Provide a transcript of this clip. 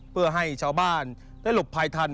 เพื่อให้ชาวบ้านได้หลบภัยทัน